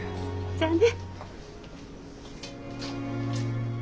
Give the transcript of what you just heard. じゃあね。